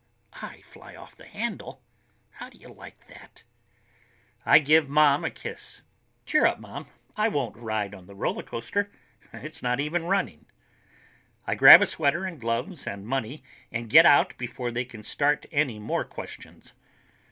I fly off the handle! How do you like that? I give Mom a kiss. "Cheer up, Mom. I won't ride on the roller coaster. It's not even running." I grab a sweater and gloves and money and get out before they can start anymore questions.